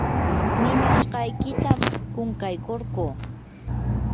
nimashqaykitam qunqaykurquu.